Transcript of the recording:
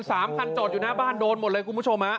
สามคันจอดอยู่หน้าบ้านโดนหมดเลยคุณผู้ชมฮะ